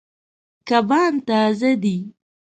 کبان تازه دي.